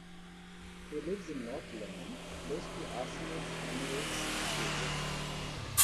He lives in north London, close to Arsenal's Emirates Stadium.